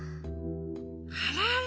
あらら。